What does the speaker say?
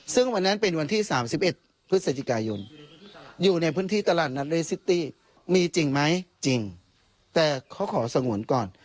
ซึ่งวันนั้นเป็นวันที่๓๑พฤศจิกายนอยู่ในพื้นที่ตลาดนัดเรซิตี้มีจริงไหมจริงแต่เขาขอสงวนก่อน